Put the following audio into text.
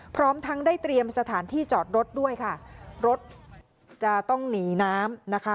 พร้อมทั้งได้เตรียมสถานที่จอดรถด้วยค่ะรถจะต้องหนีน้ำนะคะ